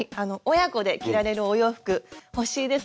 親子で着られるお洋服欲しいですね。